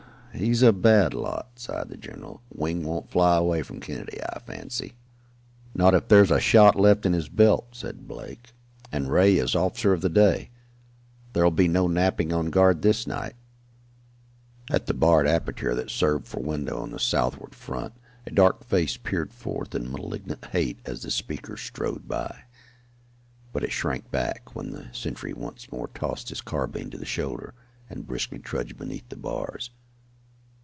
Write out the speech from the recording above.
"He's a bad lot," sighed the general. "Wing won't fly away from Kennedy, I fancy." "Not if there's a shot left in his belt," said Blake. "And Ray is officer of the day. There'll be no napping on guard this night." At the barred aperture that served for window on the southward front, a dark face peered forth in malignant hate as the speakers strode by. But it shrank back, when the sentry once more tossed his carbine to the shoulder, and briskly trudged beneath the bars.